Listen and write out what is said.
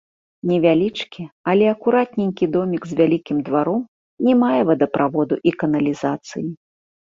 Невялічкі, але акуратненькі домік з вялікім дваром не мае вадаправоду і каналізацыі.